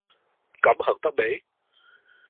噉行得未？